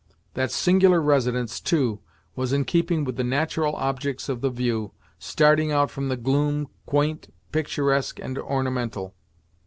That singular residence, too, was in keeping with the natural objects of the view, starting out from the gloom, quaint, picturesque and ornamental.